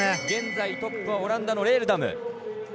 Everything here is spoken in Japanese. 現在トップはオランダのレールダム。